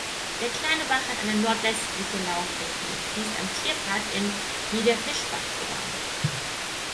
Der kleine Bach hat eine nordwestliche Laufrichtung und fließt am Tierpark in Niederfischbach vorbei.